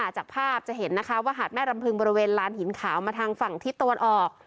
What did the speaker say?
จากภาพจะเห็นนะคะว่าหาดแม่รำพึงบริเวณลานหินขาวมาทางฝั่งทิศตะวันออก